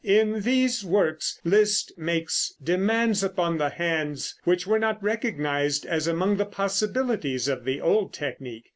In these works Liszt makes demands upon the hands which were not recognized as among the possibilities of the old technique.